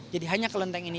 jadi hanya kelenteng ini